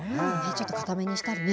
ちょっと硬めにしたりね。